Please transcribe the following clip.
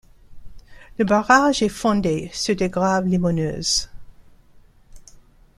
Le barrage est fondé sur des graves limoneuses.